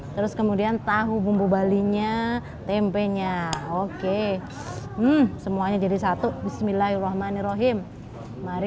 terus kemudian tahu bumbu balinya tempenya oke semuanya jadi satu bismillahirrahmanirrohim mari